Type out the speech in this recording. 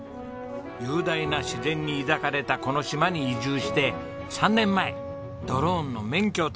雄大な自然に抱かれたこの島に移住して３年前ドローンの免許を取りました。